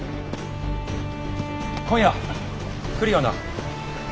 今夜来るよな？